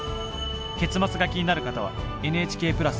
結末が気になる方は「ＮＨＫプラス」へ。